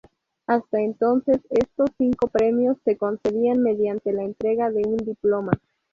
Hasta entonces, estos cinco premios se concedían mediante la entrega de un diploma.